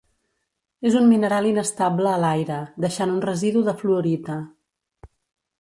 És un mineral inestable a l'aire, deixant un residu de fluorita.